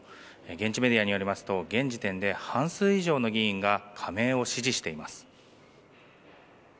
現地メディアによりますと現時点で半数以上の議員が加盟を支持しています。